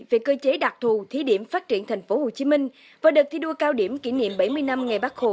việc cơ chế đạt thù thí điểm phát triển tp hcm và đợt thi đua cao điểm kỷ niệm bảy mươi năm ngày bác khổ